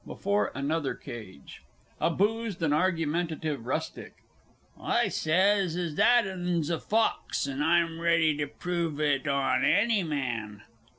BEFORE ANOTHER CAGE. A BOOZED AND ARGUMENTATIVE RUSTIC. I sez as that 'un's a fawks, an' I'm ready to prove it on anny man.